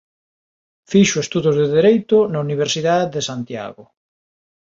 Fixo estudos de Dereito na Universidade de Santiago.